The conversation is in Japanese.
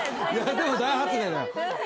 でも大発明だよ。